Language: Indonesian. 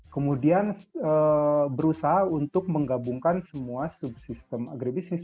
kemudian berusaha untuk menggabungkan semua subsistem agribisnis